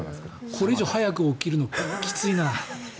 これ以上早く起きるのきついな。